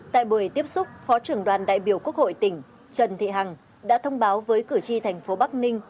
tại buổi tiếp xúc phó trưởng đoàn đại biểu quốc hội tỉnh trần thị hằng đã thông báo với cử tri thành phố bắc ninh